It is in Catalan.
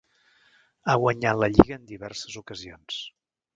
Ha guanyat la lliga en diverses ocasions.